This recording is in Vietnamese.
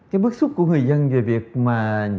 cái bức xúc của người dân về việc mà